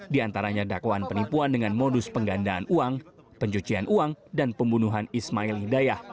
di antaranya dakwaan penipuan dengan modus penggandaan uang pencucian uang dan pembunuhan ismail hidayah